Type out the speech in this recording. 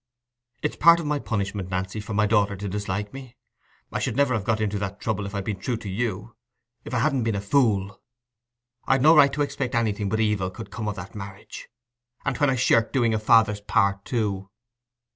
It's part of my punishment, Nancy, for my daughter to dislike me. I should never have got into that trouble if I'd been true to you—if I hadn't been a fool. I'd no right to expect anything but evil could come of that marriage—and when I shirked doing a father's part too."